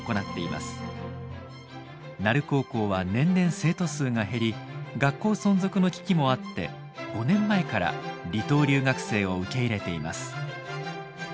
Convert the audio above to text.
奈留高校は年々生徒数が減り学校存続の危機もあって５年前から離島留学生を受け入れています。